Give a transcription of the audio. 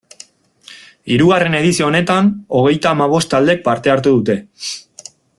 Hirugarren edizio honetan, hogeita hamabost taldek parte hartu dute.